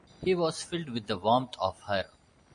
He was filled with the warmth of her.